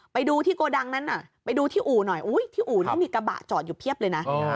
ไปดูที่โกดังนั้นน่ะไปดูที่อูหน่อยอูฮึ้ตรีอูนั้นมีกระบะจอดอยู่เพียงแพบเลยนะ